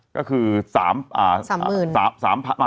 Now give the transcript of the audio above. ก็คือ๓พัน